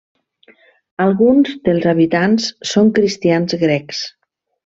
Alguns dels habitants són cristians grecs.